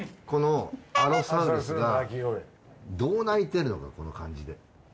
このアロサウルスがどう鳴いてるのかこの感じで。